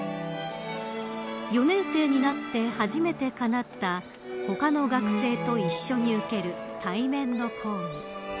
４年生になって、初めてかなった他の学生と一緒に受ける対面の講義。